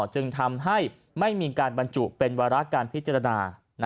จึงทำให้ไม่มีการบรรจุเป็นวาระการพิจารณา